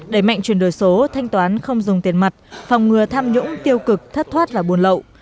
đẩy mạnh chuyển đổi số thanh toán không dùng tiền mặt phòng ngừa tham nhũng tiêu cực thất thoát và buồn lậu